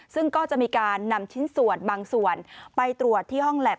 ซึ่งก็จะมีการนำชิ้นส่วนบางส่วนไปตรวจที่ห้องแล็บ